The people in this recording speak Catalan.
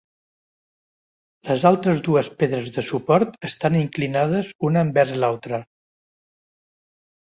Les altres dues pedres de suport estan inclinades una envers l'altra.